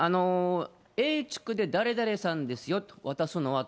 Ａ地区で誰々さんですよと、渡すのはと。